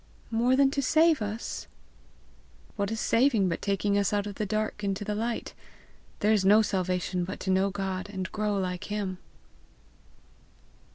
"More than to save us?" "What is saving but taking us out of the dark into the light? There is no salvation but to know God and grow like him."